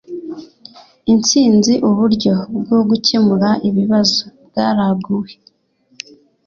insinzi uburyo bwo gukemura ibibazo bwaraguwe